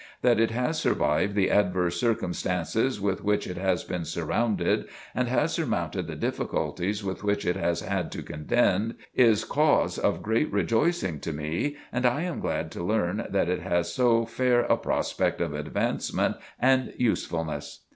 That it has survived the adverse circumstances with which it has been surrounded and has surmounted the difficulties with which it has had to contend, is cause of great rejoicing to me, and I am glad to learn that it has so fair a prospect of advancement and usefulness.